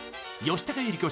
吉高由里子